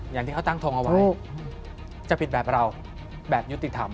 อย่างที่เขาตั้งทงเอาไว้จะผิดแบบเราแบบยุติธรรม